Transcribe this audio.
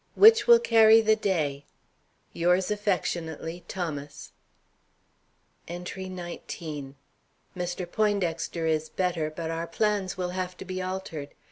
Which will carry the day? Yours aff., THOMAS. ENTRY XIX. Mr. Poindexter is better, but our plans will have to be altered.